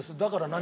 何？